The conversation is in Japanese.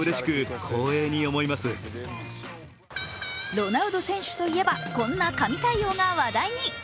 ロナウド選手といえば、こんな神対応が話題に。